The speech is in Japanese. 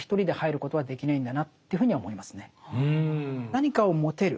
何かを持てる